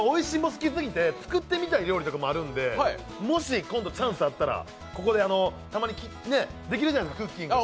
好きすぎて作ってみたい料理もあるので、もし今度チャンスあったらここでたまにできるじゃないですか、クッキング。